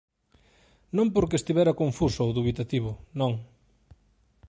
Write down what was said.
Non porque estivera confuso ou dubitativo, non.